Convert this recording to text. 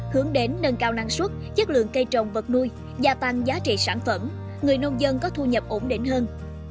hướng đến nâng cao năng suất chất lượng cây trồng vật nuôi gia tăng giá trị sản phẩm người nông dân có thu nhập ổn định hơn